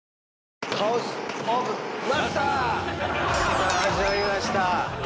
さあ始まりました。